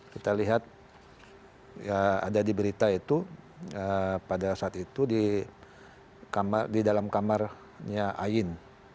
kita lihat ada di berita itu pada saat itu di dalam kamarnya ain